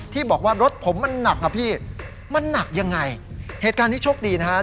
ที่บอกว่ารถผมมันหนักอ่ะพี่มันหนักยังไงเหตุการณ์นี้โชคดีนะฮะ